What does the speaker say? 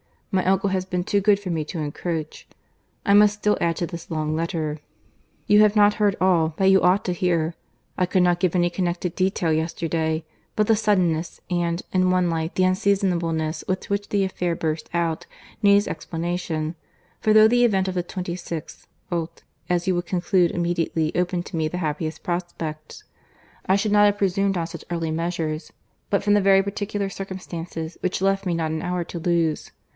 My uncle has been too good for me to encroach.—I must still add to this long letter. You have not heard all that you ought to hear. I could not give any connected detail yesterday; but the suddenness, and, in one light, the unseasonableness with which the affair burst out, needs explanation; for though the event of the 26th ult., as you will conclude, immediately opened to me the happiest prospects, I should not have presumed on such early measures, but from the very particular circumstances, which left me not an hour to lose.